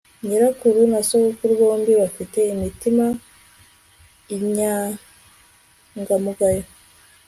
nyirakuru na sogokuru bombi bafite imitima inyangamugayo